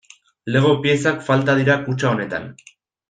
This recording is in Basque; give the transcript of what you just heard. Lego piezak falta dira kutxa honetan.